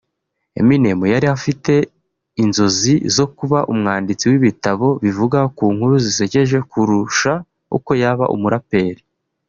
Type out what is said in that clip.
Eminem yari afite inzozi zo kuba umwanditsi w’ibitabo bivuga ku nkuru zisekeje kurusha uko yaba umuraperi